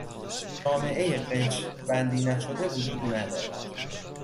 جامعهی قشر بندی نشده وجود ندارد.